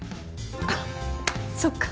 あっそっか。